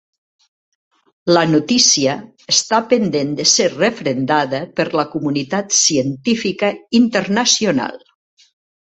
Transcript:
La notícia està pendent de ser refrendada per la comunitat científica internacional.